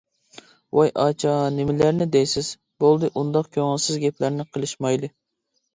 ۋاي ئاچا نېمىلەرنى دەيسىز، بولدى ئۇنداق كۆڭۈلسىز گەپلەرنى قىلىشمايلى.